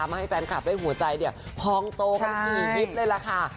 มาให้แฟนกลับได้หัวใจเดี๋ยวพ้องโตเพิ่งถึงอีกเลยล่ะค่ะ